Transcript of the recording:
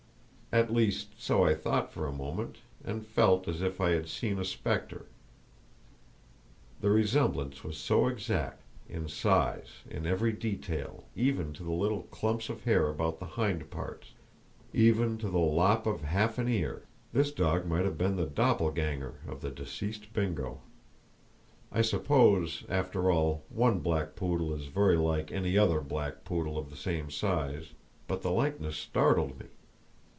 At least, so I thought for a moment, and felt as if I had seen a spectre; the resemblance was so exact—in size, in every detail, even to the little clumps of hair about the hind parts, even to the lop of half an ear, this dog might have been the doppelganger of the deceased Bingo. I suppose, after all, one black poodle is very like any other black poodle of the same size, but the likeness startled me.